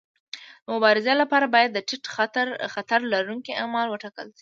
د مبارزې لپاره باید د ټیټ خطر لرونکي اعمال وټاکل شي.